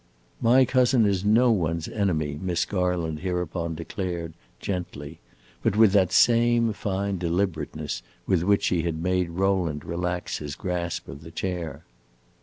"My cousin is no one's enemy," Miss Garland hereupon declared, gently, but with that same fine deliberateness with which she had made Rowland relax his grasp of the chair.